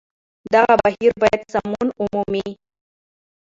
دغه بهير بايد سمون ومومي